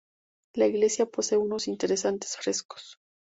La iglesia posee unos interesantes frescos.